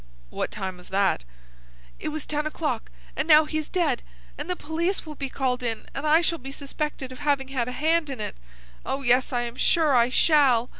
"What time was that?" "It was ten o'clock. And now he is dead, and the police will be called in, and I shall be suspected of having had a hand in it. Oh, yes, I am sure I shall.